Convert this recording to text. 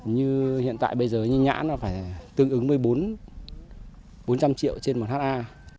như hiện tại bây giờ như nhãn nó phải tương ứng với bốn trăm linh triệu trên một ha